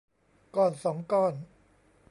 ก้อนสองก้อน